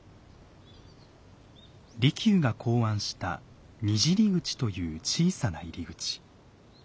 利休が考案した「にじり口」という小さな入り口。